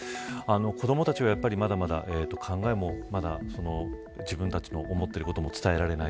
子どもたちはやっぱり、まだまだ考えもまだ自分たちの思っていることも伝えられない。